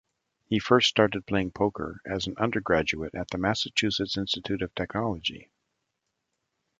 He first started playing poker as an undergraduate at the Massachusetts Institute of Technology.